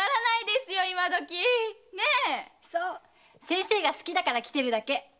そう先生が好きだから来てるだけ。